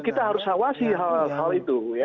kita harus mengawasi hal hal itu ya